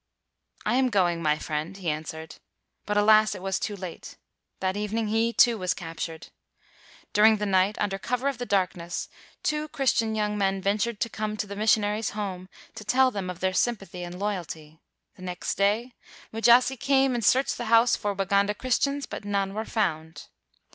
"I am going, my friend,' ' he answered; but, alas, it was too late. That evening he, too, was captured. Dur ing the night, under cover of the darkness, two Christian young men ventured to come to the missionaries' home to tell them of their sympathy and loyalty. The next day Mujasi came and searched the house for Waganda Christians, but none were found.